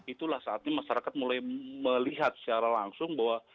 itulah saatnya masyarakat mulai melihat secara langsung bahwa